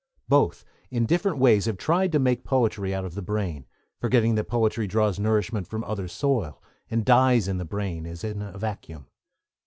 Both, in different ways, have tried to make poetry out of the brain, forgetting that poetry draws nourishment from other soil, and dies in the brain as in a vacuum.